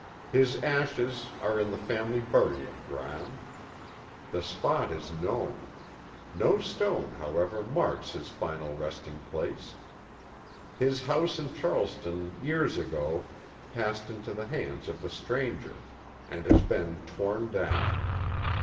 His ashes are in the family burying ground. The spot is known. No stone, however, marks his final resting place. His house in Charleston years ago, passed into the hands of the stranger, and has been torn down.